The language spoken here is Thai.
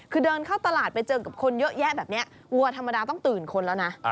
คือเดินเข้าตลาดไปเจอกับคนเยอะแยะแบบนี้วัวธรรมดาต้องตื่นคนแล้วนะ